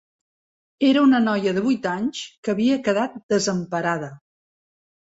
Era una noia de vuit anys, que havia quedat desemparada